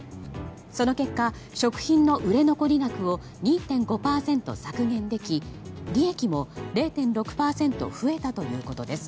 その結果、食品の売れ残り額を２．５％削減でき利益も０．６％増えたということです。